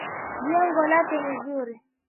Jengo lake ni zuri.